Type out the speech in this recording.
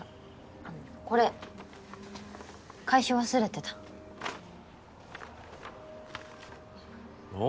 あのこれ返し忘れてたああ